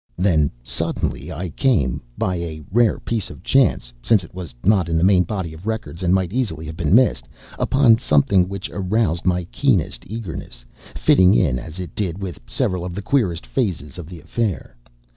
Then suddenly I came by a rare piece of chance, since it was not in the main body of records and might easily have been missed upon something which aroused my keenest eagerness, fitting in as it did with several of the queerest phases of the affair.